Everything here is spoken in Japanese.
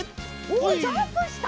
おっジャンプした！